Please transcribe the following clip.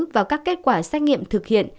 và các kết quả xét nghiệm thực hiện